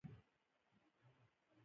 ژبه باید څنګه بډایه شي؟